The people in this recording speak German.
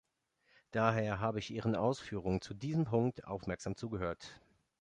Daher habe ich Ihren Ausführungen zu diesem Punkt aufmerksam zugehört.